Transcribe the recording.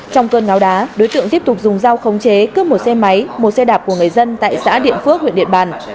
trong cơn ngáo đá đối tượng tiếp tục dùng dao khống chế cướp một xe máy một xe đạp của người dân tại xã điện phước huyện điện bàn